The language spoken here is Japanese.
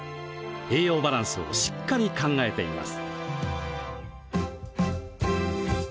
栄養バランスをしっかり考えています。